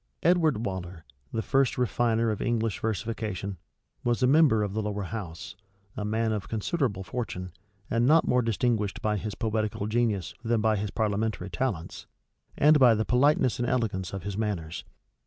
Edward Waller, the first refiner of English versification, was a member of the lower house; a man of considerable fortune, and not more distinguished by his poetical genius than by his parliamentary talents, and by the politeness and elegance of his manners.